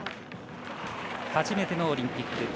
初めてのオリンピック。